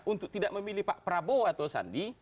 untuk tidak memilih pak prabowo atau sandi